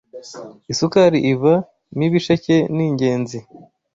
Isukari iva m’ibisheke ningenzi